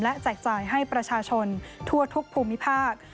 และแจกจ่ายให้ประชาชนทั่วทุกภูมิภาค